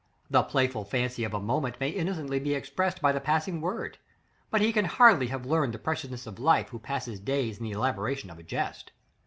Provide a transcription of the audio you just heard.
The playful fancy of a moment may innocently be expressed by the passing word; but he can hardly have learned the preciousness of life, who passes days in the elaboration of a jest.